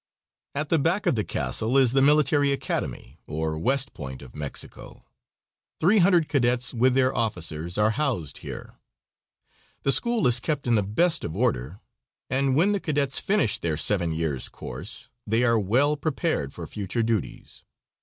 At the back of the castle is the Military Academy, or West Point of Mexico. Three hundred cadets, with their officers, are housed here. The school is kept in the best of order, and when the cadets finish their seven years' course they are well prepared for future duties.